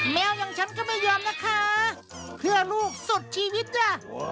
อย่างฉันก็ไม่ยอมนะคะเพื่อลูกสุดชีวิตจ้ะ